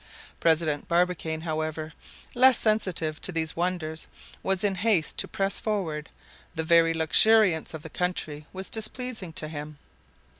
President Barbicane, however, less sensitive to these wonders, was in haste to press forward; the very luxuriance of the country was displeasing to him.